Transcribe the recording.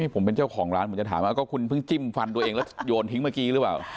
ผมเป็นเจ้าของร้านผมจะถามว่าก็คุณเพิ่งจิ้มฟันตัวเองแล้วโยนทิ้งเมื่อกี้หรือเปล่า